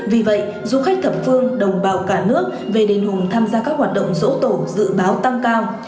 vì vậy du khách thập phương đồng bào cả nước về đền hùng tham gia các hoạt động dỗ tổ dự báo tăng cao